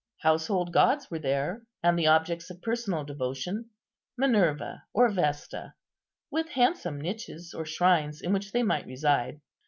Household gods were there, and the objects of personal devotion: Minerva or Vesta, with handsome niches or shrines in which they might reside.